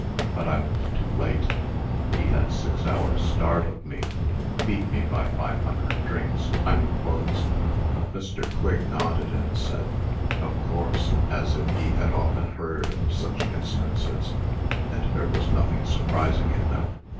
But I was too late. He had six hours' start of me, and beat me by five hundred drinks I mean votes." Mr. Quigg nodded, and said, "Of course," as if he had often heard of such instances, and there was nothing surprising in them.